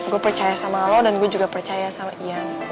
gue percaya sama lo dan gue juga percaya sama ian